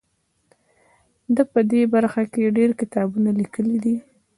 ده په دې برخه کې ډیر کتابونه لیکلي دي.